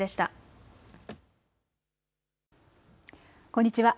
こんにちは。